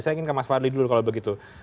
saya ingin ke mas fadli dulu kalau begitu